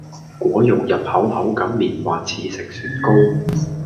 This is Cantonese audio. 果肉入口口感棉滑似食雪糕